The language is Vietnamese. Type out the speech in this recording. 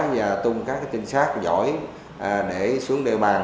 và tung các trinh sát giỏi để xuống địa bàn